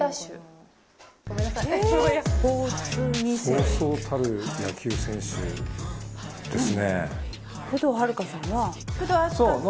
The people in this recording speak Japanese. そうそうたる野球選手ですね。